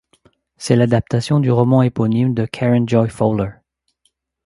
C’est l’adaptation du roman éponyme de Karen Joy Fowler.